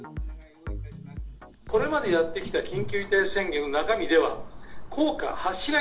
これまでやってきた緊急事態宣言の中身では効果を発しない。